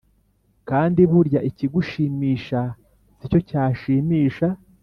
kandi burya ikigushimisha si cyo cyashimisha